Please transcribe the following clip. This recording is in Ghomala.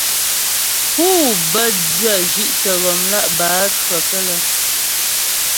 Pû bə́ dyə̂ zhí'tə ghɔmlá' bǎcyəkə́lə́.